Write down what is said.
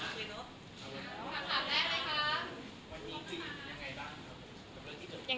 สวัสดีครับ